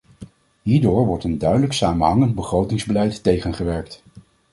Hierdoor wordt een duidelijk, samenhangend begrotingsbeleid tegengewerkt.